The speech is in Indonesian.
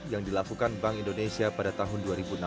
yang dilakukan bank indonesia pada tahun dua ribu enam belas